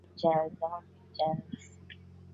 Ninahitaji kukumbuka